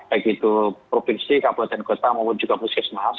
baik itu provinsi kabupaten kota maupun juga puskesmas